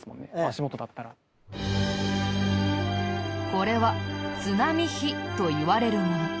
これは津波碑といわれるもの。